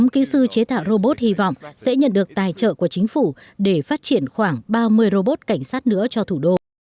kỹ sư chế tạo robot hy vọng sẽ nhận được tài trợ của chính phủ để phát triển khoảng ba mươi robot cảnh sát nữa cho thủ đô